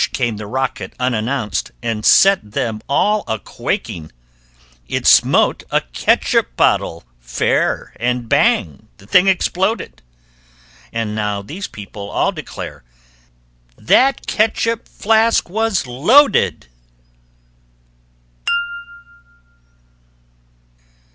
came the rocket, unannounced, And set them all a quaking! It smote a catsup bottle, fair, And bang! the thing exploded! And now these people all declare That catsup flask was loaded.